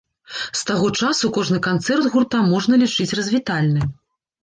З таго часу кожны канцэрт гурта можна лічыць развітальным.